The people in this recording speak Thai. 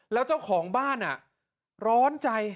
แล้วเจ้าของบ้านร้อนใจ